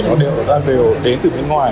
nó đều đến từ nước ngoài